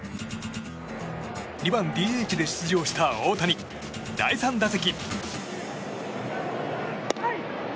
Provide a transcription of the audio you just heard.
２番ＤＨで出場した大谷第３打席。